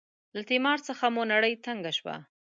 له تیمار څخه مو نړۍ تنګه شوه.